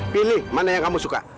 pilih mana yang kamu suka